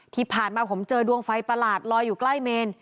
ที่ผ่านมาผมเจอดวงไฟประหลาดลอยอยู่ใกล้เมน